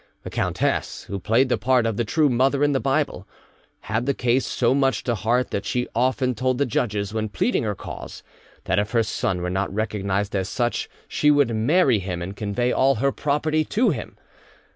The countess, who played the part of the true mother in the Bible, had the case so much to heart that she often told the judges, when pleading her cause, that if her son were not recognised as such, she would marry him, and convey all her property to him.